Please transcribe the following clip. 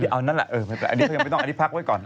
เอานั่นแหละเออไม่ต้องอันนี้พักไว้ก่อน